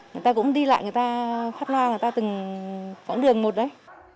người ta cũng đi lại người ta phát loa người ta từng võng đường một đấy